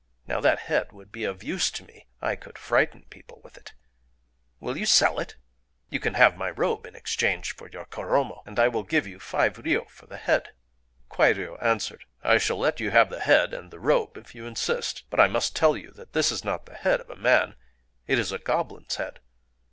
Now that head would be of use to me: I could frighten people with it. Will you sell it? You can have my robe in exchange for your koromo; and I will give you five ryō for the head." Kwairyō answered:— "I shall let you have the head and the robe if you insist; but I must tell you that this is not the head of a man. It is a goblin's head.